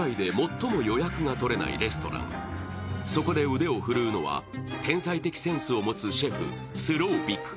腕を振るうのは、天才的センスを持つシェフ・スローヴィク。